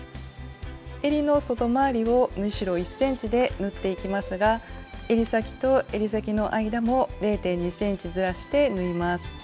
えりの外回りを縫い代１ｃｍで縫っていきますがえり先とえり先の間も０．２ｃｍずらして縫います。